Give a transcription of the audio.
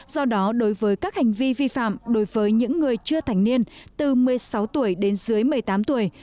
do đó đối với các hành vi vi phạm đối với những người chưa thành niên từ một mươi sáu tuổi đến dưới một mươi tám tuổi